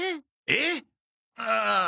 えっ！？ああ。